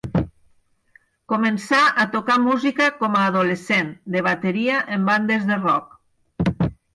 Començà a tocar música com a adolescent, de bateria en bandes de rock.